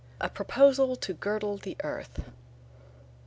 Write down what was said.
A PROPOSAL TO GIRDLE THE EARTH.